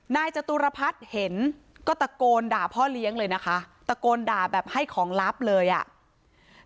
จตุรพัฒน์เห็นก็ตะโกนด่าพ่อเลี้ยงเลยนะคะตะโกนด่าแบบให้ของลับเลยอ่ะ